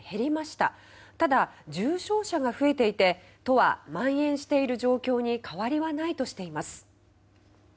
ただ、重症者が増えていて都は蔓延している状況に変わりはないとしています。